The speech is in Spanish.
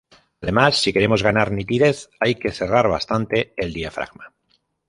Además, si queremos ganar nitidez, hay que cerrar bastante el diafragma.